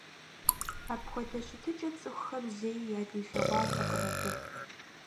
Апхуэдэ щытыкӀэ цӀыхухэм зэи ядилъэгъуатэкъым абы.